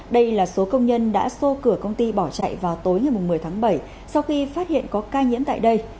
đây là số công nhân đã xô cửa công ty bỏ chạy vào tối ngày một mươi tháng bảy sau khi phát hiện có ca nhiễm tại đây